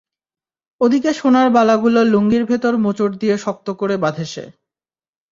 ওদিকে সোনার বালাগুলো লুঙ্গির ভেতর মোচড় দিয়ে শক্ত করে বাঁধে সে।